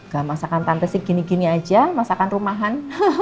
gak masakan tante sih gini gini aja masakan rumahan